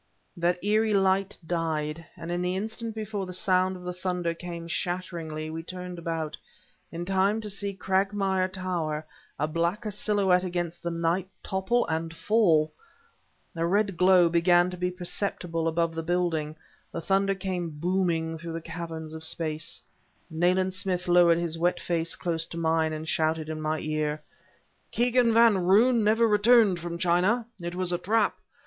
That eerie light died, and in the instant before the sound of the thunder came shatteringly, we turned about... in time to see Cragmire Tower, a blacker silhouette against the night, topple and fall! A red glow began to be perceptible above the building. The thunder came booming through the caverns of space. Nayland Smith lowered his wet face close to mine and shouted in my ear: "Kegan Van Roon never returned from China. It was a trap.